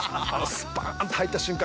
スパーンと入った瞬間